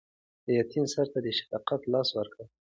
د یتیم سر ته د شفقت لاس ورکړئ.